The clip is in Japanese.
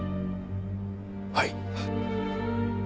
はい。